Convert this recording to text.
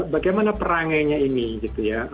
bagaimana perangainya ini gitu ya